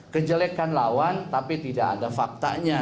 kejelekan lawan tapi tidak ada faktanya